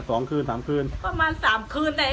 กลับมาที่สุดท้ายมีกลับมาที่สุดท้าย